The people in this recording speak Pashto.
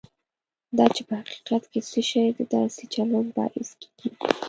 دا چې په حقیقت کې څه شی د داسې چلند باعث کېږي.